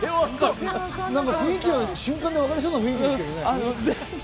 瞬間で分かりそうな雰囲気ですけどね。